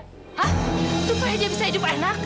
hah supaya dia bisa hidup enak